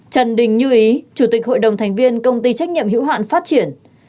trần đình như ý chủ tịch hội đồng thành viên công ty trách nhiệm hữu hạn phát triển